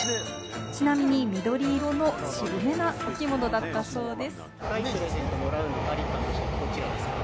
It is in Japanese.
ちなみに緑色の渋めなお着物だったそうです。